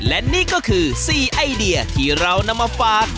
และนี่ก็คือ๔ไอเดียที่เรานำมาฝาก